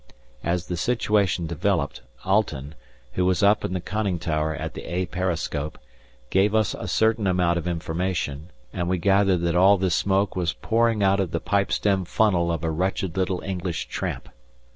As the situation developed, Alten, who was up in the conning tower at the "A" periscope, gave us a certain amount of information, and we gathered that all this smoke was pouring out of the pipe stem tunnel of a wretched little English tramp.